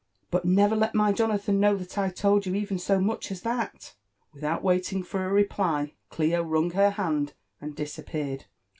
But never let my Jonathan know that 1 told you even so much as that." Without waiting for a reply, Clio wrung her hand and disap peared.